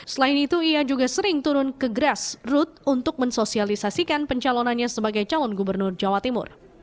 selain itu ia juga sering turun ke grass rut untuk mensosialisasikan pencalonannya sebagai calon gubernur jawa timur